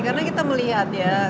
karena kita melihat ya